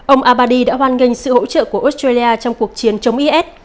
ông al abadi đã hoan nghênh sự hỗ trợ của australia trong cuộc chiến chống is